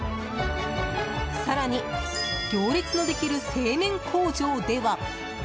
更に行列のできる製麺工場では。